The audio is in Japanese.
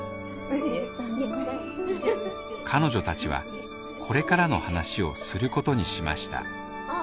彼女たちはこれからの話をすることにしましたあ！